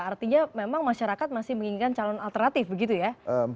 artinya memang masyarakat masih menginginkan calon alternatif begitu ya